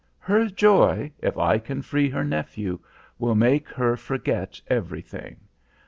"Her joy, if I can free her nephew, will make her forget everything.